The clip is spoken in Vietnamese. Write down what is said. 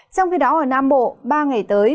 trong khi đó ở nam bộ ba ngày tới